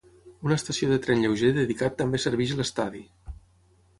Una estació de tren lleuger dedicat també serveix l'estadi.